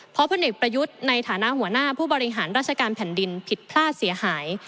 เพราะพลเอกประยุทธ์ในฐานะหัวหน้าผู้บริหารราชการแผ่นดินผิดพลาดเสียหาย